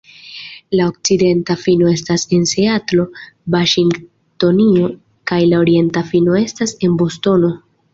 La okcidenta fino estas en Seatlo, Vaŝingtonio, kaj la orienta fino estas en Bostono.